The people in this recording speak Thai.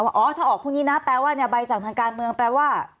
ว่าอ๋อถ้าออกพรุ่งนี้นะแปลว่าใบสั่งทางการเมืองแปลว่า